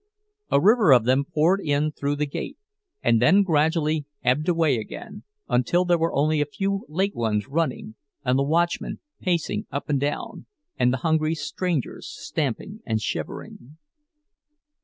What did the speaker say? A river of them poured in through the gate—and then gradually ebbed away again, until there were only a few late ones running, and the watchman pacing up and down, and the hungry strangers stamping and shivering.